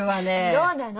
どうなの？